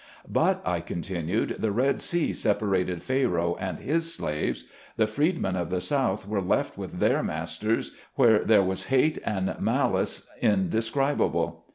"But," I continued, "the Red Sea separated Pharoah and his slaves; the freedmen of the South were left with their masters where there was hate and malace indescribable.